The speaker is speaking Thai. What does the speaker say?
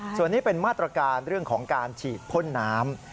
ส่วนนี้เป็นมาตรการเรื่องของการฉีดพ่นน้ำ